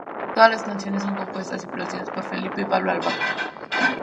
Todas las canciones son compuestas y producidas por Felipe y Pablo Ilabaca.